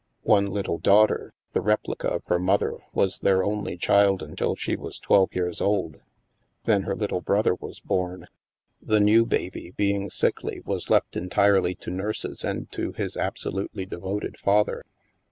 One little daughter, the replica of her mother, was their only child until she was twelve years old. Then her little brother was born. The new baby, being sickly, was left entirely to nurses and to his absolutely devoted father.